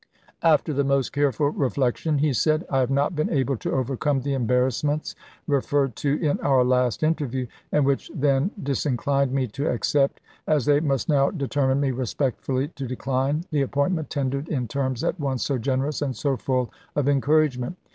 " After the most careful reflection," he said, " I have not been able to overcome the embarrass ments referred to in our last interview, and which then disinclined me to accept, as they must now determine me respectfully to decline, the appoint ment tendered in terms at once so generous and so full of encouragement.